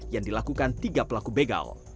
yang dilakukan tiga pelaku begal